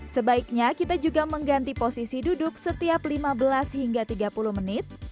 sebaiknya kita juga mengganti posisi duduk setiap lima belas hingga tiga puluh menit